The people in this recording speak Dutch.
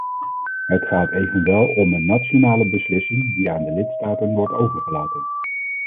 Het gaat evenwel om een nationale beslissing die aan de lidstaten wordt overgelaten.